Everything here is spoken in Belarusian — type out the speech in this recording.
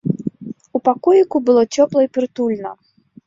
У пакоіку было цёпла і прытульна.